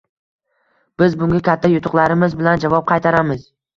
Biz bunga katta yutuqlarimiz bilan javob qaytaramiz.